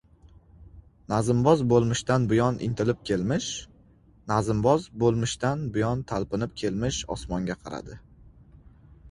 Nazmboz bo‘lmishdan buyon intilib kelmish, nazmboz bo‘lmishdan buyon talpinib kelmish osmonga qaradi.